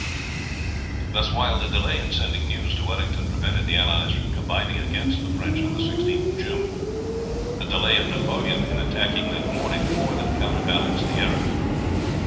Thus, while the delay in sending news to Wellington prevented the allies combining against the French on the 16th of June, the delay of Napoleon in attacking that morning more than counterbalanced the error.